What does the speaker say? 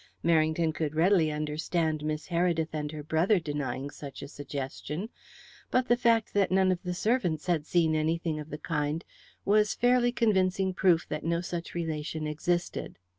Merrington could readily understand Miss Heredith and her brother denying such a suggestion; but the fact that none of the servants had seen anything of the kind was fairly convincing proof that no such relation existed.